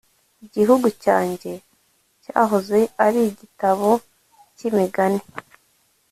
gihugu cyanjye cyahoze ari igitabo cy'imigani